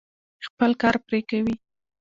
خپل کار پرې کوي.